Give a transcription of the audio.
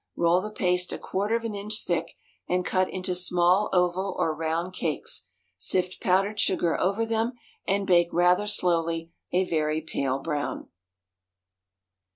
Roll the paste a quarter of an inch thick, and cut into small oval or round cakes, sift powdered sugar over them, and bake rather slowly a very pale brown.